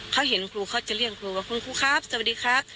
เขาเห็นครูเขาจะเรียกครูว่าคุณครูครับสวัสดีครับ